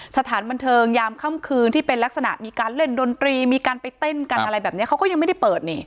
สถานบันเทิงยามค่ำคืนที่เป็นลักษณะมีการเล่นดนตรีมีการไปเต้นกันอะไรแบบนี้เขาก็ยังไม่ได้เปิดนี่